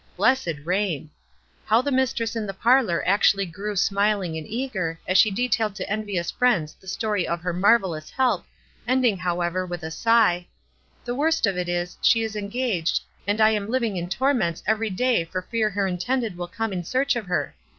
Blessed reign ! How the mistress in the parlor actually grew smiling and eager, as she detailed to envious friends the story of her marvelous help, end ing, however, with a sigh : "The worst of it is, she is engaged, and I am living in torments every day for fear her intended will come in search of her.